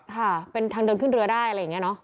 ค่ะเป็นทางเดินขึ้นเรือได้อะไรอย่างนี้เนอะ